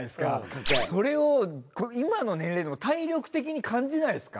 それを今の年齢でも体力的に感じないですか？